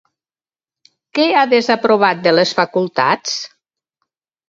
Què ha desaprovat de les facultats?